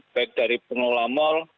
baik dari penola mal